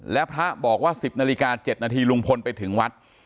และพระบอกว่า๑๐น๗นลุงพลไปถึงวัด